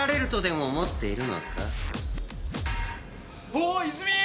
おっ泉！